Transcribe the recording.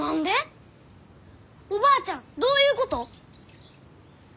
おばあちゃんどういうこと？